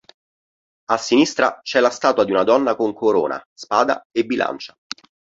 A sinistra, c'è la statua di una donna con corona, spada e bilancia.